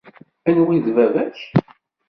Anwa i d baba-k?